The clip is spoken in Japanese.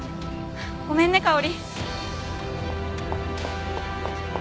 ごめんね香織。